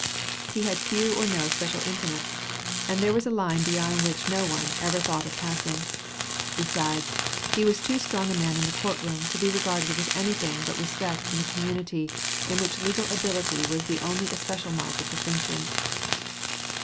He had few or no special intimates, and there was a line beyond which no one ever thought of passing. Besides, he was too strong a man in the court room to be regarded with anything but respect in a community in which legal ability was the only especial mark of distinction.